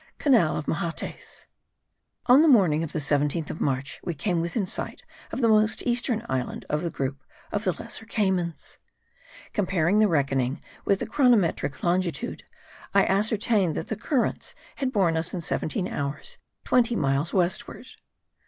CANAL OF MAHATES. On the morning of the 17th of March, we came within sight of the most eastern island of the group of the Lesser Caymans. Comparing the reckoning with the chronometric longitude, I ascertained that the currents had borne us in seventeen hours twenty miles westward.